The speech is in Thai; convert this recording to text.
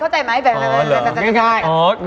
เหมือนงาน